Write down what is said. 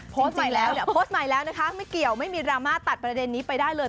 โพสต์ใหม่แล้วนะคะไม่เกี่ยวไม่มีราม่าตัดประเด็นนี้ไปได้เลย